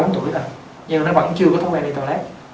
ba bốn tuổi rồi nhưng mà nó vẫn chưa có thói quen đi toilet